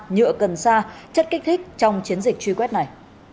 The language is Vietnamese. nhựa cần sa chất kích thích trong chiến dịch truy quét này